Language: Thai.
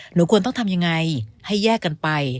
หนูควรต้องทำยังไงให้แยกกันไป